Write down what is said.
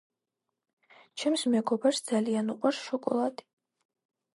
ჩემს მეგობარს ძალიან უყვარს შოკოლადი